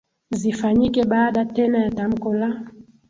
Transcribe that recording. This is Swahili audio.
zifanyike baada tena ya tamko la